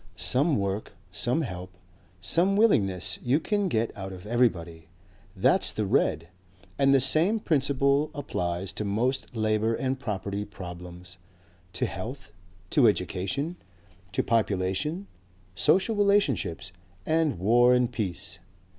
Some work, some help, some willingness you can get out of everybody. That's the red. And the same principle applies to most labour and property problems, to health, to education, to population, social relationships and war and peace.